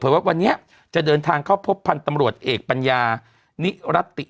ว่าวันนี้จะเดินทางเข้าพบพันธุ์ตำรวจเอกปัญญานิรัติ